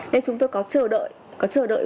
nên chúng tôi có chờ đợi